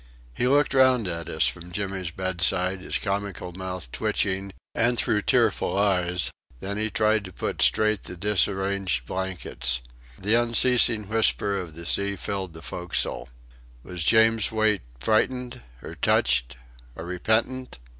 He looked round at us from Jimmy's bedside, his comical mouth twitching, and through tearful eyes; then he tried to put straight the disarranged blankets. The unceasing whisper of the sea filled the forecastle. Was James Wait frightened, or touched, or repentant?